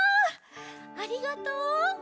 ありがとう！